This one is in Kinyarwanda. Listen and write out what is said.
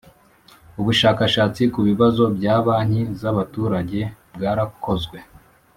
ubushakashatsi ku bibazo bya banki z'abaturage bwarakozwe